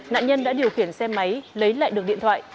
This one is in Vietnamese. nạn nhân đã điều khiển xe máy lấy lại được điện thoại